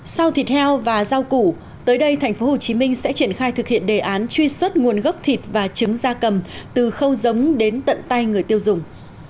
sau thịt heo và rau củ tới đây tp hcm sẽ triển khai thực hiện đề án truy xuất nguồn gốc thịt và trứng da cầm từ khâu giống đến tận tay người tiêu dùng